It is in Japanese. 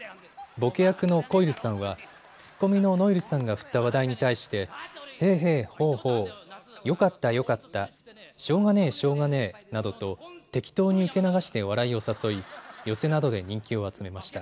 ボケ役のこいるさんはツッコミの、のいるさんが振った話題に対して「ヘーヘーホーホー」「よかった、よかった」「しょうがねぇ、しょうがねぇ」などと適当に受け流して笑いを誘い寄席などで人気を集めました。